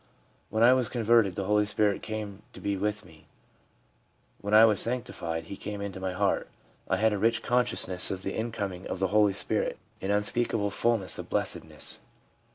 ' When I was converted, the Holy Spirit came to be with me. When I was sanctified, He came into my heart/ l I had a rich consciousness of the incoming of the Holy Spirit, an unspeakable fulness of blessedness.'